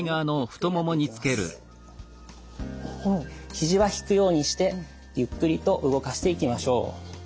肘は引くようにしてゆっくりと動かしていきましょう。